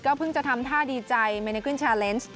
ก็เพิ่งจะทำท่าดีใจแมนเอกวิ้นแชลเลนส์